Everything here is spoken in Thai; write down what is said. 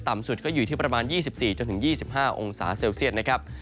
สุดก็อยู่ที่ประมาณ๒๔๒๕องศาเซลเซียตนะครับ